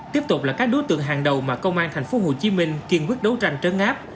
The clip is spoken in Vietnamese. tiếp tục là các đối tượng hàng đầu mà công an tp hcm kiên quyết đấu tranh trấn áp